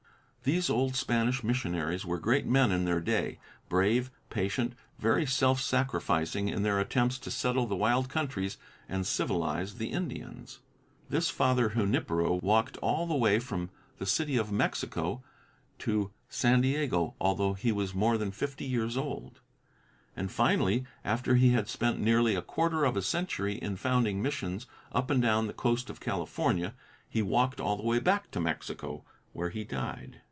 These old Spanish missionaries were great men in their day; brave, patient and very self sacrificing in their attempts to settle the wild countries and civilize the Indians. This Father Junipero walked all the way from the City of Mexico to San Diego, although he was more than fifty years old; and finally, after he had spent nearly a quarter of a century in founding missions up and down the coast of California, he walked all the way back to Mexico, where he died.